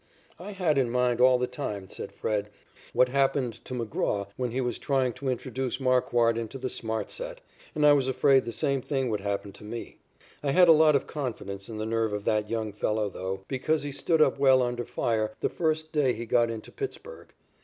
"I had in mind all the time," said Fred, "what happened to McGraw when he was trying to introduce Marquard into the smart set, and I was afraid the same thing would happen to me. I had a lot of confidence in the nerve of that young fellow though, because he stood up well under fire the first day he got into Pittsburg.